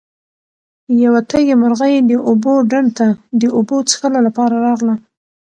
یوه تږې مرغۍ د اوبو ډنډ ته د اوبو څښلو لپاره راغله.